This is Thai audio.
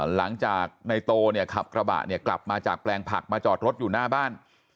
หลังจากในโตเนี่ยขับกระบะเนี่ยกลับมาจากแปลงผักมาจอดรถอยู่หน้าบ้าน